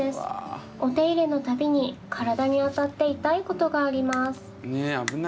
お手入れの度に体に当たって痛いことがあります。